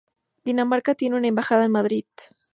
Dinamarca tiene una embajada en Madrid.